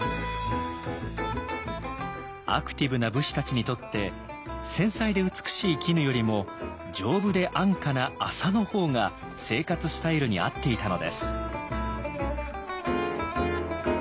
アクティブな武士たちにとって繊細で美しい絹よりも丈夫で安価な麻の方が生活スタイルに合っていたのです。